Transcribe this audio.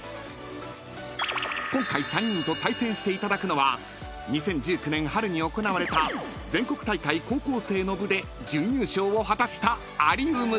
［今回３人と対戦していただくのは２０１９年春に行われた全国大会高校生の部で準優勝を果たしたアリウム］